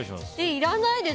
いらないです。